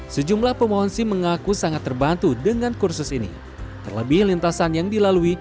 sejumlah pemohon sim mengaku sangat terbantu dengan kursus ini terlebih lintasan yang dilalui